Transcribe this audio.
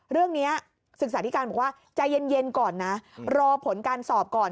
เรื่องนี้ศึกษาธิการบอกว่าใจเย็นก่อนนะรอผลการสอบก่อน